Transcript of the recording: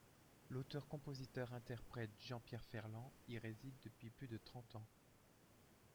L'auteur-compositeur-interprète Jean-Pierre Ferland y réside depuis plus de trente ans.